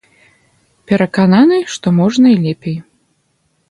Перакананы, што можна і лепей.